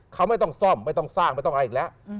เขาไม่ต้องซ่อมไม่ต้องสร้างไม่ต้องอะไรอีกแล้ว